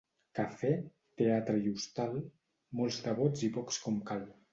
Cafè, teatre i hostal, molts devots i pocs com cal.